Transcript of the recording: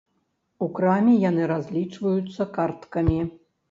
У краме яны разлічваюцца карткамі.